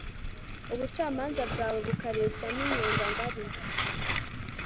ubucamanza bwawe bukareshya n'inyenga ngari